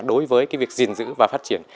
đối với việc gìn giữ và phát triển